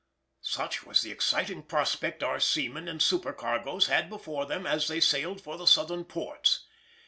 Such was the exciting prospect our seamen and supercargoes had before them as they sailed for the Southern ports.